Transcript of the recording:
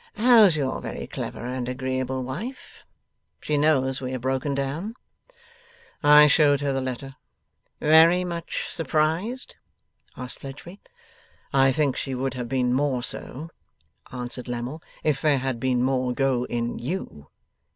How's your very clever and agreeable wife? She knows we have broken down?' 'I showed her the letter.' 'Very much surprised?' asked Fledgeby. 'I think she would have been more so,' answered Lammle, 'if there had been more go in YOU?